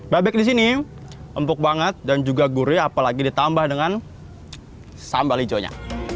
bebek di sini empuk banget dan juga gurih apalagi ditambah dengan sambal hijaunya